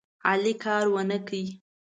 علي کار ونه کړ.